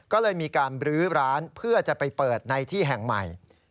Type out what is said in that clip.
ก็เลยมีการบรื้อร้านเพื่อจะไปเปิดในที่แห่งใหม่